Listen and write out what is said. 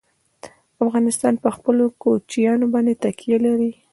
افغانستان په خپلو کوچیانو باندې تکیه لري.